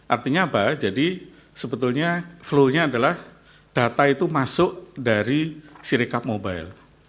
artinya apa jadi sebetulnya flow nya adalah data itu masuk dari sirikap mobile